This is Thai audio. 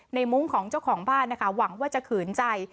มุ้งของเจ้าของบ้านนะคะหวังว่าจะขืนใจ